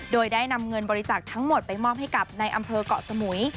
โดยได้นำเงินบริจาคทั้งหมดไปมอบให้กับในอำเภอกเกาะสมุย